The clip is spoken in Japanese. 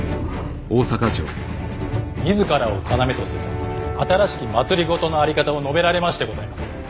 自らを要とする新しき政の在り方を述べられましてございます。